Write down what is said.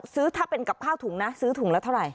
ซื้อถ้าเป็นกับข้าวถุงนะซื้อถุงเราเท่าไหร่